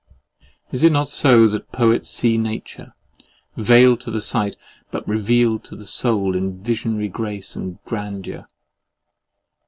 Is it not so, that poets see nature, veiled to the sight, but revealed to the soul in visionary grace and grandeur!